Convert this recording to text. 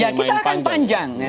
ya kita akan panjang